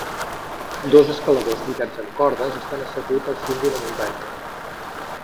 Dos escaladors lligats amb cordes estan asseguts al cim d'una muntanya